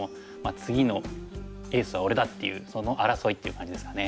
「次のエースは俺だ！」っていうその争いっていう感じですかね。